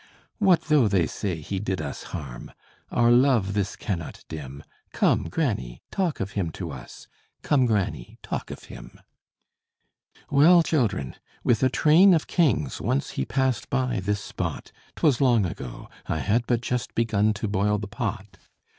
"What though they say he did us harm? Our love this cannot dim; Come, granny, talk of him to us; Come, granny, talk of him." "Well, children with a train of kings, Once he passed by this spot; 'Twas long ago; I had but just Begun to boil the pot.